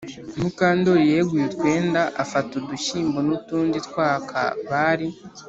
Mukandori yeguye utwenda afata udushyimbo nutundi twaka bari